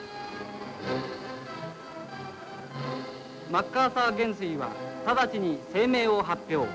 マッカーサー元帥は直ちに声明を発表